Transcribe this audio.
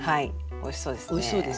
おいしそうです。